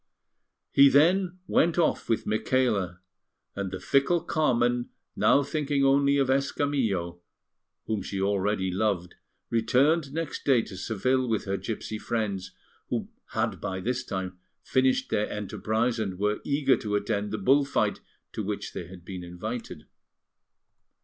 He then went off with Micaela; and the fickle Carmen, now thinking only of Escamillo, whom she already loved, returned next day to Seville with her gipsy friends, who had by this time finished their enterprise and were eager to attend the bull fight to which they had been invited.